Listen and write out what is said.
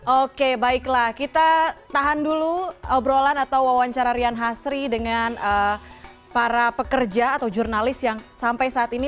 oke baiklah kita tahan dulu obrolan atau wawancara rian hasri dengan para pekerja atau jurnalis yang sampai saat ini